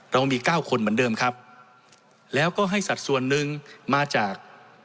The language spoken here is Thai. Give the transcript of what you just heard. เรามีเก้าคนเหมือนเดิมครับแล้วก็ให้สัดส่วนหนึ่งมาจาก